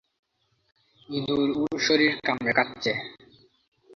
ইঁদুর ওর শরীর কামড়ে খাচ্ছে।